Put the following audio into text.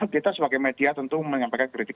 kita sebagai media tentu menyampaikan kritik